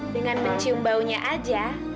dengan mencium baunya aja